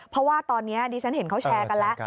เพราะว่าตอนนี้ดิฉันเห็นเขาแชร์กันแล้ว